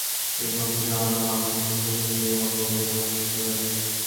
এই দম্পতির আলো ও আঁখি নামে দুই মেয়ে এবং কবির নামে এক ছেলে রয়েছে।